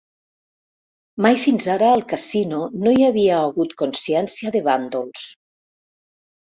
Mai fins ara al casino no hi havia hagut consciència de bàndols.